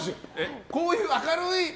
こういう明るい。